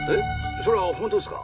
それは本当ですか？